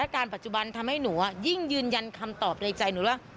การปัจจุบันทำให้หนูยิ่งยืนยันคำตอบในใจหนูว่า